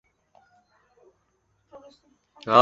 因纽维克专区是加拿大西北地区五个行政专区之一。